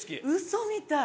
嘘みたい！